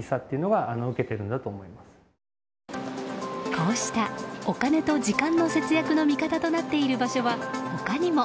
こうしたお金と時間の節約の味方となっている場所は、他にも。